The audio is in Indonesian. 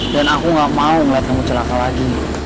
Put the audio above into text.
dan aku nggak mau ngeliat kamu celaka lagi